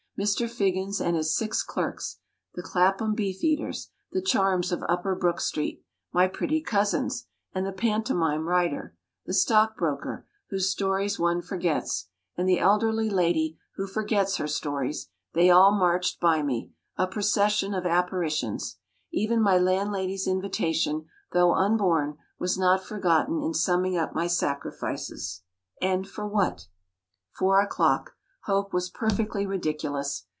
Mr. Phiggins and his six clerks the Clapham beef eaters the charms of Upper Brook street my pretty cousins, and the pantomime writer the stock broker, whose stories one forgets, and the elderly lady who forgets her stories they all marched by me, a procession of apparitions. Even my landlady's invitation, though unborn, was not forgotten in summing up my sacrifices. And for what? Four o'clock. Hope was perfectly ridiculous.